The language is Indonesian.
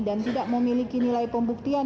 dan tidak memiliki nilai pembuktian